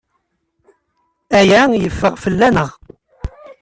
Aya yeffeɣ fell-aneɣ.